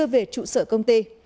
về trụ sở công ty